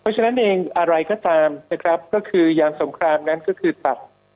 ฉะนั้นเองอะไรก็ตามนะครับก็คือยางสงครามนั้นก็คือตับ